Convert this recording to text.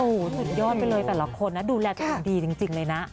โอ้โหสุดยอดไปเลยแต่ละคนนะดูแลตัวเองดีจริงเลยนะ